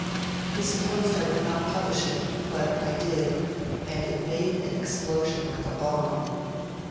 He supposed I would not publish it, but I did, and it made an explosion like a bomb.